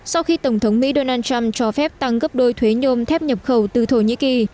sau khi tổng thống mỹ donald trump cho phép tăng gấp đôi thuế nhôm thép nhập khẩu từ thổ nhĩ kỳ